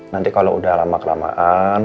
nanti kalau udah lama kelamaan